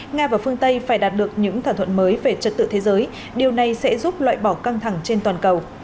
nga và phương tây phải đạt được những thỏa thuận mới về trật tự thế giới điều này sẽ giúp loại bỏ căng thẳng trên toàn cầu